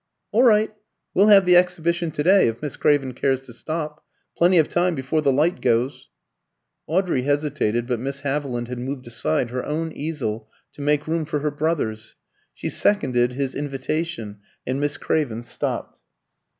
"All right; we'll have the exhibition to day, if Miss Craven cares to stop. Plenty of time before the light goes." Audrey hesitated: but Miss Haviland had moved aside her own easel to make room for her brother's; she seconded his invitation, and Miss Craven stopped.